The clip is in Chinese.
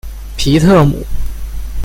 皮特姆。